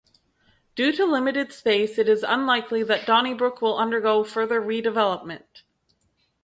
Due to limited space, it is unlikely that Donnybrook will undergo further redevelopment.